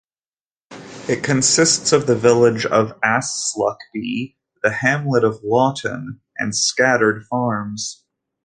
It consists of the village of Aslackby, the hamlet of Laughton, and scattered farms.